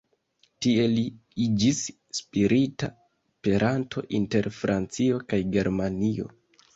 Tie li iĝis spirita peranto inter Francio kaj Germanio.